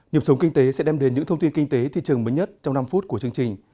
nhập sống kinh tế sẽ đem đến những thông tin kinh tế thị trường mới nhất trong năm phút của chương trình